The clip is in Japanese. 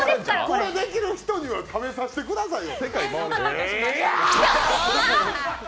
これできる人には食べさせてくださいよ。